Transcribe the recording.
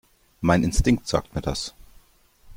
Mein Instinkt sagt mir das.